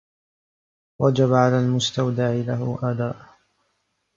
وَجَبَ عَلَى الْمُسْتَوْدَعِ لَهُ أَدَاءُ